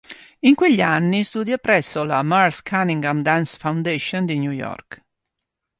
In quegli anni studia presso la "Merce Cunningham Dance Foundation" di New York.